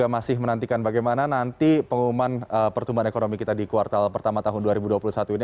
masih menantikan bagaimana nanti pengumuman pertumbuhan ekonomi kita di kuartal pertama tahun dua ribu dua puluh satu ini